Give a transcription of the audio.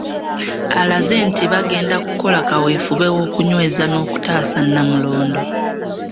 Alaze nti bagenda kukola kaweefube w'okunyweza n'okutaaasa Nnamulondo.